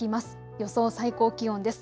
予想最高気温です。